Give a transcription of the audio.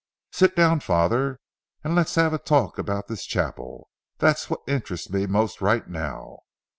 Sit down, Father, and let's have a talk about this chapel—that's what interests me most right now.